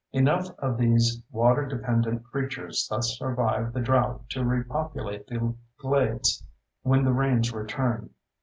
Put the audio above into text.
Enough of these water dependent creatures thus survive the drought to repopulate the glades when the rains return.